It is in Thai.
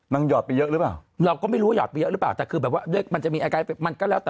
นางก็ต้องออกมาก้ำกับนางต่อ